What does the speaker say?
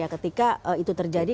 ketika itu terjadi